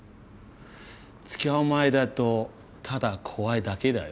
付き合う前だとただ怖いだけだよ。